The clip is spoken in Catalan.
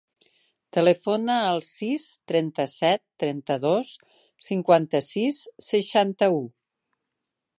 Telefona al sis, trenta-set, trenta-dos, cinquanta-sis, seixanta-u.